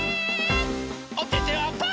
おててはパー！